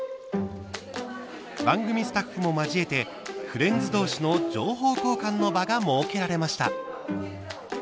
番組スタッフも交えてフレンズ同士の情報交換の場が設けられました。